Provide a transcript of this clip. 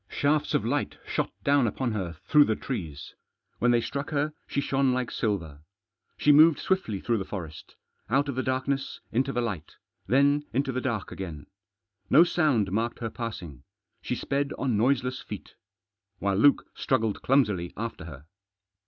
Shafts of light shot down upon her through the trees. When they struck her she shone like silver. She moved swiftly through the forest ; out of the darkness into the light, then into the dark again. No sound marked her passing. She sped on noiseless feet. While Luke struggled clumsily after her.